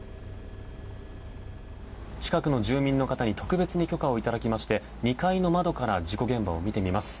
近くの住民の方に特別に許可をいただきまして２階の窓から事故現場を見てみます。